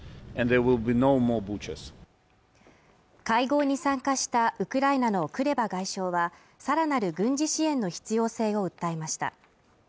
会合に参加したウクライナのクレバ外相はさらなる軍事支援の必要性を訴えました